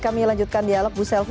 kami lanjutkan dialog bu selvi